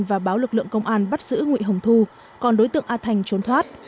và báo lực lượng công an bắt giữ nguyễn hồng thu còn đối tượng a thanh trốn thoát